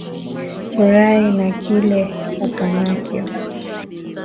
Furayi na kile uko nakyo